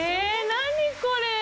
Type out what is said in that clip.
何これ！